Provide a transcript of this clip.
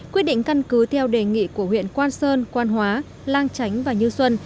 quyết định căn cứ theo đề nghị của huyện quan sơn quan hóa lang chánh và như xuân